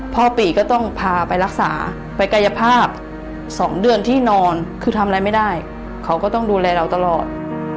ปีก็ต้องพาไปรักษาไปกายภาพ๒เดือนที่นอนคือทำอะไรไม่ได้เขาก็ต้องดูแลเราตลอด